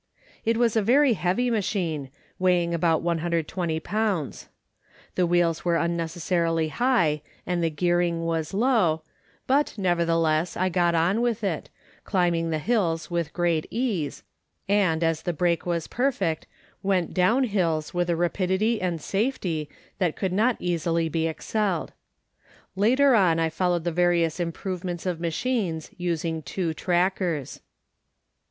It was a very heavy machine, weighing about 120 pounds. The wheels were unnecessarily high and the gearing was low, but, nevertheless, I got on with it, climbing the hills with great ease, and, as the brake was perfect, went down hills with a rapidity and safety that could not easily be excelled. Later on I followed the various improvements of machines using two trackers.